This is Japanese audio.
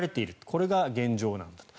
これが現状なんだと。